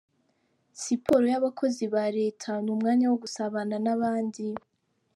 Siporo y’abakozi ba Leta ni umwanya wo gusabana n’abandi